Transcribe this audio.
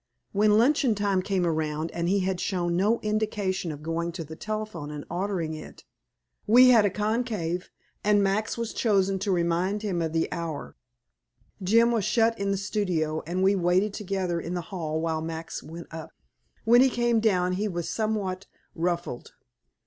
When luncheon time came around and he had shown no indication of going to the telephone and ordering it, we had a conclave, and Max was chosen to remind him of the hour. Jim was shut in the studio, and we waited together in the hall while Max went up. When he came down he was somewhat ruffled.